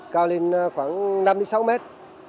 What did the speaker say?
cao lên khoảng năm đến sáu mét